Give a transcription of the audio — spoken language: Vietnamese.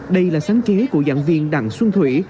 đây là sáng chế của giảng viên đặng xuân thủy